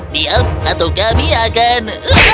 diam atau kami akan